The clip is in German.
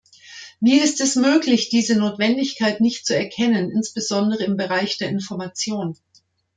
Wie ist es möglich, diese Notwendigkeit nicht zu erkennen, insbesondere im Bereich der Information?